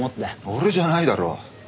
俺じゃないだろ。